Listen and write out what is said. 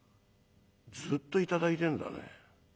ずっと頂いてんだね。